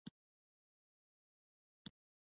روغتونونه باید څنګه مجهز شي؟